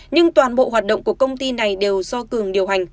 nhưng toàn bộ hoạt động của công ty này đều do cường điều hành